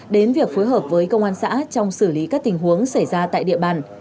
đến việc phối hợp với công an xã trong xử lý các tình huống xảy ra tại địa bàn